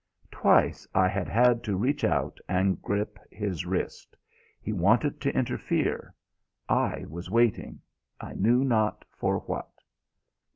Twice I had had to reach out and grip his wrist. He wanted to interfere; I was waiting I knew not for what.